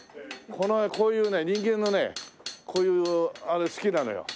こういうね人間のねこういうあれ好きなのよ。